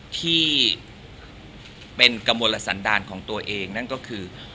ที่เป็นกระมวลสันดาลของตัวเองนั่นก็คือ